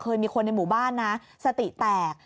มีคนในหมู่บ้านนะสติแตก